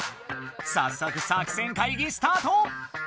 さっそく作戦会議スタート！